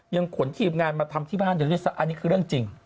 ยังขนทีมงานมาทำที่บ้านเธอด้วยซ้ำอันนี้คือเรื่องจริง